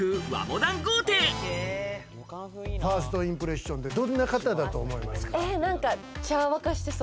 ファーストインプレッションでどんな方だと思われますか？